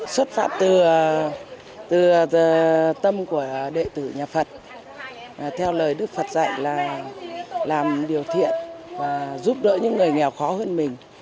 xuất phát từ tâm của đệ tử nhà phật theo lời đức phật dạy là làm điều thiện và giúp đỡ những người nghèo khó hơn mình